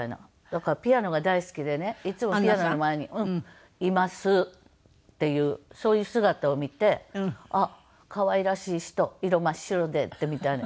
だからピアノが大好きでねいつもピアノの前にいますっていうそういう姿を見てあっ可愛らしい人色真っ白でみたいな。